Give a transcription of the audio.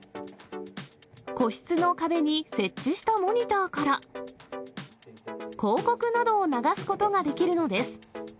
個室の壁に設置したモニターから、広告などを流すことができるのです。